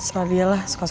kamu mau pergi